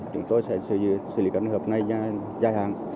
chúng tôi sẽ xử lý trường hợp này dài hàng